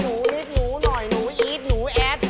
หนูนิดหนูหน่อยหนูอีดหนูแอด